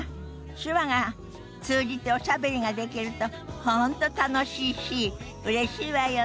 手話が通じておしゃべりができると本当楽しいしうれしいわよね。